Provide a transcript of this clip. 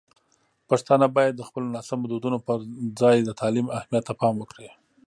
پښتانه باید د خپلو ناسمو دودونو پر ځای د تعلیم اهمیت ته پام وکړي.